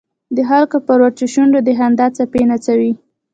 د خلکو پر وچو شونډو د خندا څپې نڅوي.